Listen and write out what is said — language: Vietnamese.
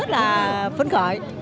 và phấn khởi